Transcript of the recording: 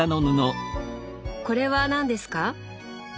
これは何ですか？